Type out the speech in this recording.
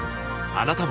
あなたも